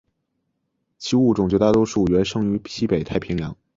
其物种绝大多数原生于西北太平洋。